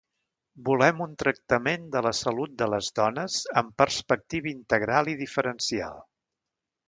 Volem un tractament de la salut de les dones amb perspectiva integral i diferencial.